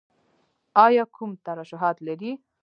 ایا کوم ترشحات لرئ؟